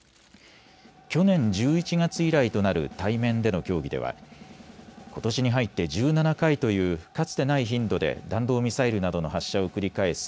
去年１１月以来となる対面での協議ではことしに入って１７回というかつてない頻度で弾道ミサイルなどの発射を繰り返す